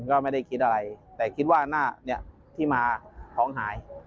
ก็ไม่ได้คิดอะไรแต่คิดว่าหน้าเนี่ยที่มาท้องหาย